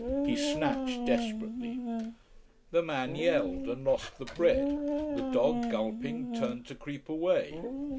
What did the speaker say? He snatched desperately. The man yelled and lost the bread, the dog, gulping, turned to creep away.